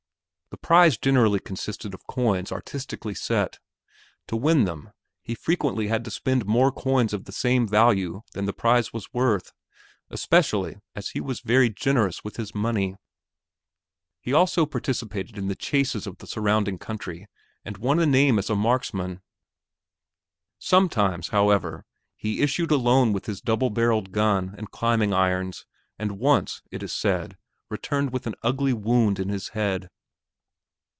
The prize generally consisted of coins artistically set. To win them, he frequently had to spend more coins of the same value than the prize was worth especially as he was very generous with his money. He also participated in all the chases of the surrounding country and won a name as a marksman. Sometimes, however, he issued alone with his double barreled gun and climbing irons, and once, it is said, returned with an ugly wound in his head.